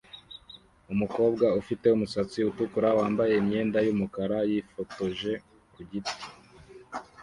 Umukobwa ufite umusatsi utukura-wambaye imyenda yumukara yifotoje ku giti